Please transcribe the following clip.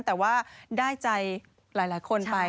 แต่ว่าได้ใจหลายคนไป